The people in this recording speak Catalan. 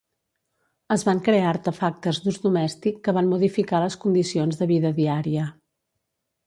Es van crear artefactes d'ús domèstic que van modificar les condicions de vida diària.